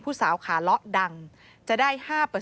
สาวขาเลาะดังจะได้๕